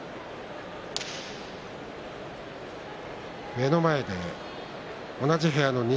目の前で同じ部屋の錦